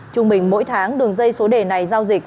trung bình mỗi tháng đường dây số đề này giao dịch